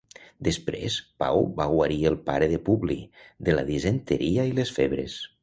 Després, Pau va guarir el pare de Publi de la disenteria i les febres.